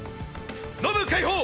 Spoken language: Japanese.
ノブ開放。